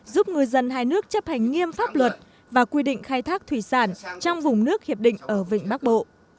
giúp ngư dân hai nước chấp hành nghiêm pháp luật và quy định khai thác thủy sản trong vùng nước hiệp định ở vịnh bắc bộ